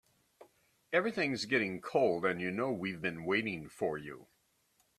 Everything's getting cold and you know we've been waiting for you.